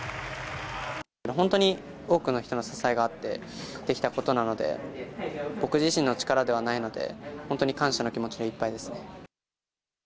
本当に多くの人の支えがあって、できたことなので、僕自身の力ではないので、本当に感謝の気持ちでいっぱいですね。